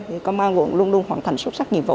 thì công an quận luôn luôn hoàn thành xuất sắc nhiều